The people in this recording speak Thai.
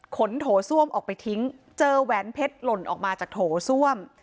โถส้วมออกไปทิ้งเจอแหวนเพชรหล่นออกมาจากโถส้วม